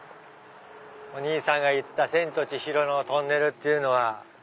お兄さんが言ってた『千と千尋』のトンネルっていうのは。